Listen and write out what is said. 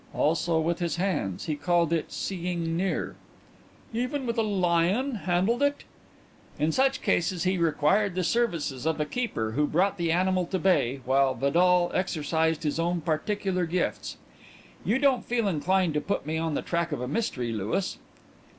"Also with his hands. He called it 'seeing near.'" "Even with a lion handled it?" "In such cases he required the services of a keeper, who brought the animal to bay while Vidal exercised his own particular gifts.... You don't feel inclined to put me on the track of a mystery, Louis?"